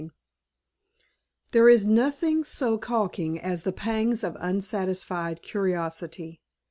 XV There is nothing so carking as the pangs of unsatisfied curiosity.